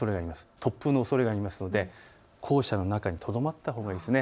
突風のおそれがありますので校舎の中にとどまったほうがいいですね。